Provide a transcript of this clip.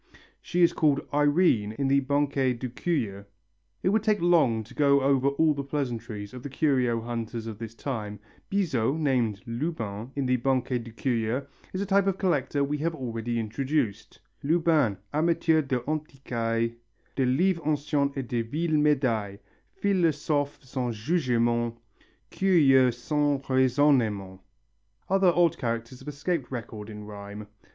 She is called Irene in the Banquet des Curieux. It would take long to go over all the pleasantries of the curio hunters of this time. Bizot, named Lubin in the Banquet des Curieux, is a type of collector we have already introduced: Lubin, amateur d'antiquailles, De livres anciens et de vielles médailles, Philosophe sans jugement, Curieux sans raisonnement,... Other odd characters have escaped record in rhyme.